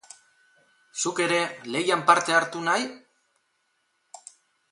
Zuk ere lehian parte hartu nahi?